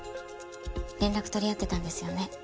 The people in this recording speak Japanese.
連絡取り合ってたんですよね？